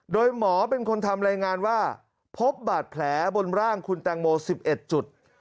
โดยหมอเป็นคนทำรายงานว่าพบบาดแผลบนร่างคุณแตงโม๑๑จุด